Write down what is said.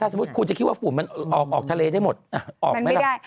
สมมุติคุณจะคิดว่าฝุ่นมันออกทะเลได้หมดออกไหมล่ะ